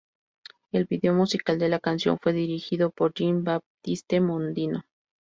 El video musical de la canción fue dirigido por Jean-Baptiste Mondino.